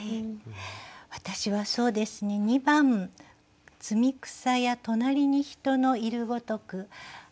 はい私はそうですね２番「摘草や隣に人のゐるごとく」。